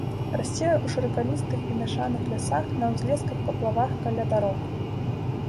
Расце ў шыракалістых і мяшаных лясах, на ўзлесках, паплавах, каля дарог.